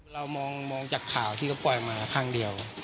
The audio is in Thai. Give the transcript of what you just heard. เรามองจากข่าวที่เขาปล่อยมาข้างเดียว